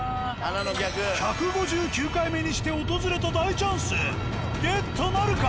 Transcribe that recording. １５９回目にして訪れたゲットなるか！？